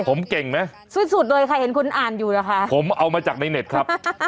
ผมเก่งไหมสุดสุดเลยค่ะเห็นคุณอ่านอยู่เหรอคะผมเอามาจากในเน็ตครับ